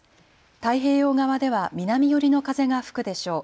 太平洋側では南寄りの風が吹くでしょう。